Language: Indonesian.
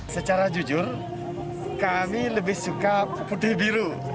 secara jujur kami lebih suka putih biru